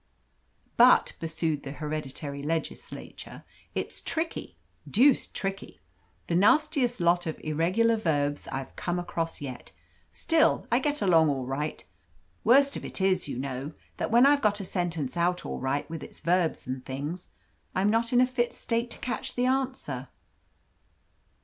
"But," pursued the hereditary legislator, "it's tricky deuced tricky. The nastiest lot of irregular verbs I've come across yet. Still, I get along all right. Worst of it is, you know, that when I've got a sentence out all right with its verbs and things, I'm not in a fit state to catch the answer."